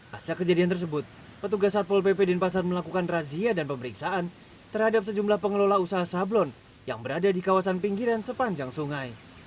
pasca kejadian tersebut petugas satpol pp denpasar melakukan razia dan pemeriksaan terhadap sejumlah pengelola usaha sablon yang berada di kawasan pinggiran sepanjang sungai